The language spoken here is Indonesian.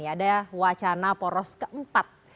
ada wacana poros keempat